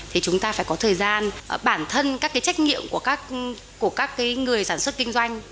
thì chúng ta phải có thời gian bản thân các cái trách nhiệm của các người sản xuất kinh doanh